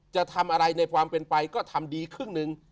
จะทำอะไรในความเป็นไปก็ทำดีครึ่งหนึ่ง